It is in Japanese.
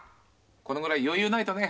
このぐらい余裕ないとね。